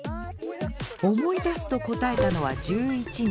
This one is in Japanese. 思い出すと答えたのは１１人。